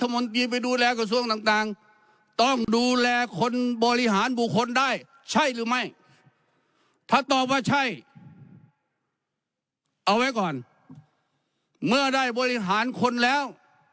เมื่อได้บริหารคนแล้ว